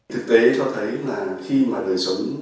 thực tế tôi thấy là khi mà người sống